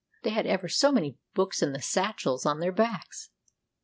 They had ever so many books in the satchels on their backs.